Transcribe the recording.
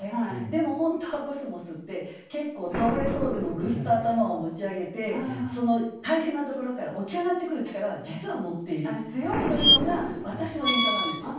でも本当はコスモスって結構倒れそうでもぐっと頭を持ち上げて大変なところから起き上がってくる力は実は持っているというのが私の印象なんですよ。